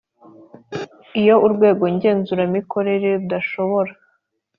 Iyo Urwego Ngenzuramikorere rudashobora